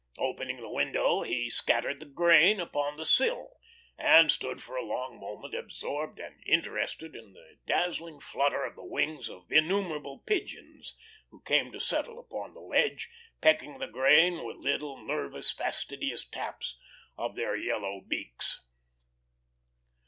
Opening the window, he scattered the grain upon the sill, and stood for a long moment absorbed and interested in the dazzling flutter of the wings of innumerable pigeons who came to settle upon the ledge, pecking the grain with little, nervous, fastidious taps of their yellow beaks.